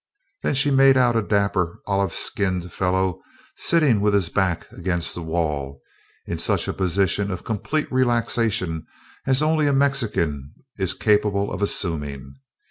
Then she made out a dapper olive skinned fellow sitting with his back against the wall in such a position of complete relaxation as only a Mexican is capable of assuming.